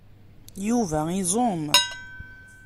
Yuba iẓum.